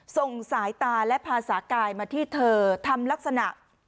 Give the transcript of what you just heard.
ส่งสายตาและภาษากายมาที่เธอทำลักษณะ